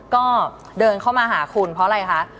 ก็เดินเข้ามาหาคุณเพราะอะไรคะ